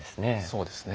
そうですね。